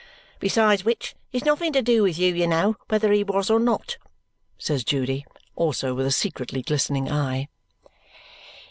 "Besides which, it was nothing to you, you know, whether he was or not," says Judy. Also with a secretly glistening eye.